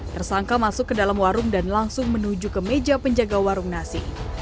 tersangka masuk ke dalam warung dan langsung menuju ke meja penjaga warung nasi